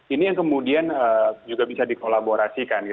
ini yang kemudian juga bisa dikolaborasikan